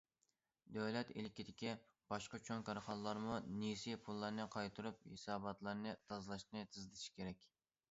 دۆلەت ئىلكىدىكى باشقا چوڭ كارخانىلارمۇ نېسى پۇللارنى قايتۇرۇپ ھېساباتلارنى تازىلاشنى تېزلىتىش كېرەك.